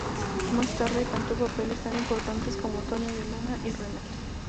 Más tarde cantó papeles tan importantes como Tonio, de Luna y Renato.